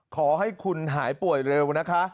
ขอให้คุณหายป่วยเร็วนะคะ